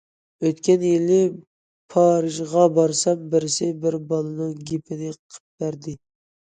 ئۆتكەن يىلى پارىژغا بارسام بىرسى بىر بالىنىڭ گېپىنى قىلىپ بەردى.